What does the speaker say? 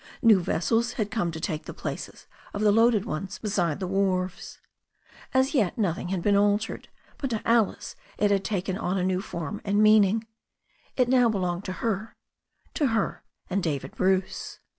New vessels had come to take the places of the loaded ones beside the wharves. As yet nothing had been altered, but to Alice it had taken on a new form and meaning. It now belonged to her, to her and David Bruce.